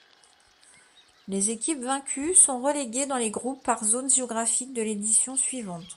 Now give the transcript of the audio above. Les équipes vaincues sont reléguées dans les groupes par zones géographiques de l'édition suivante.